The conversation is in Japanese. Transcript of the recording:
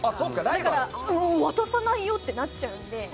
だから、渡さないよ！となっちゃうので。